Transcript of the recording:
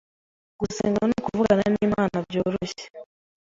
gusenga ni ukuvugana n’Imana byoroheje,